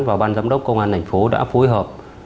và ban giám đốc công an thành phố đã phối hợp